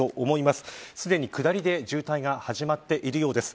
すでに下りで渋滞が始まっているようです。